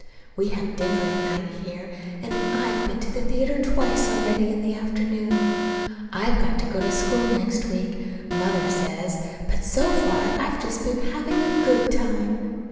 We have dinner at night here, and I've been to the theater twice already in the afternoon. I've got to go to school next week, Mother says, but so far I've just been having a good time.